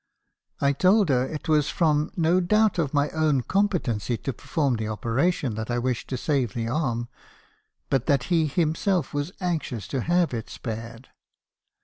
" I told her it was from no doubt of my own competency to perform the operation that I wished to save the arm ; but that he himself was anxious to have it spared.